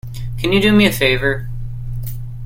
Can you do me a favor?